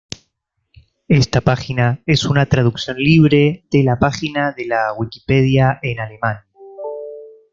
Esta página es una traducción libre de la página de la Wikipedia en alemán,